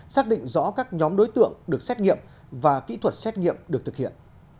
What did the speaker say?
xác định rõ các nhóm đối tượng được xét nghiệm và kỹ thuật xét nghiệm được thực hiện